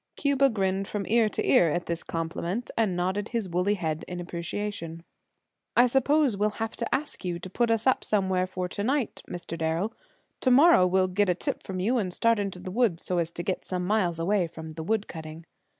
Cuba grinned from ear to ear at this compliment and nodded his woolly head in appreciation. "I suppose we'll have to ask you to put us up somewhere for to night, Mr. Darrel; to morrow we'll get a tip from you, and start into the woods, so as to get some miles away from the wood cutting."